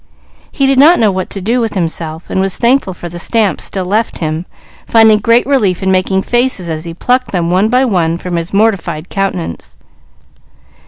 He did not know what to do with himself, and was thankful for the stamps still left him, finding great relief in making faces as he plucked them one by one from his mortified countenance.